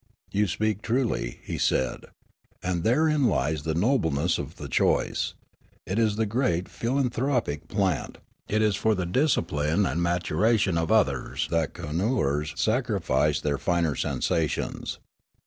"" You speak truly, '' he said, '' and therein lies the nobleness of the choice ; it is the great philanthropic plant; it is for the discipline and matura tion of others that kooannooers sacrifice their finer sensations."